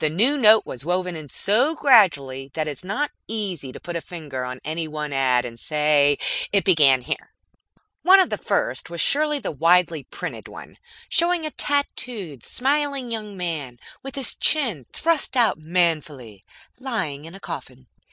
The new note was woven in so gradually that it is not easy to put a finger on any one ad and say, "It began here." One of the first was surely the widely printed one showing a tattooed, smiling young man with his chin thrust out manfully, lying in a coffin.